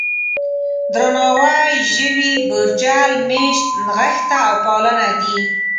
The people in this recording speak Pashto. درناوی، ژوي، بورجل، مېشت، نغښته او پالنه دي.